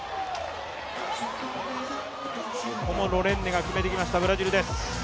ここもロレンネが決めてきました、ブラジルです。